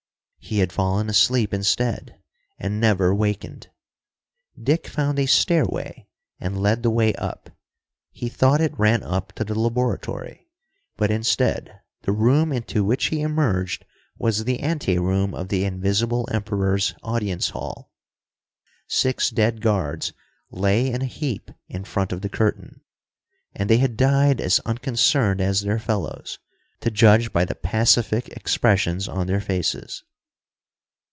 He had fallen asleep instead, and never wakened. Dick found a stairway and led the way up. He thought it ran up to the laboratory, but, instead, the room into which he emerged was the ante room of the Invisible Emperor's audience hall. Six dead guards lay in a heap in front of the curtain, and they had died as unconcerned as their fellows, to judge by the pacific expressions on their faces.